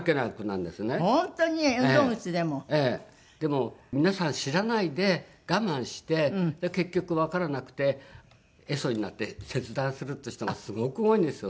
もう皆さん知らないで我慢して結局わからなくて壊疽になって切断するって人がすごく多いんですよね。